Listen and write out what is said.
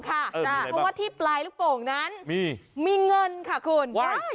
เพราะว่าที่ปลายลูกโป่งนั้นมีเงินค่ะคุณ